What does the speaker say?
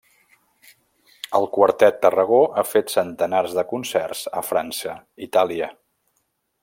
El Quartet Tarragó ha fet centenars de concerts a França, Itàlia.